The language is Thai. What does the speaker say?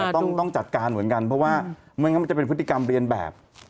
ต้องจัดการเหมือนกันเพราะว่าไม่งั้นมันจะเป็นพฤติกรรมเรียนแบบ